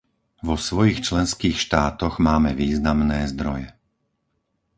Vo svojich členských štátoch máme významné zdroje.